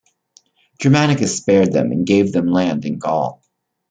Germanicus spared them and gave them land in Gaul.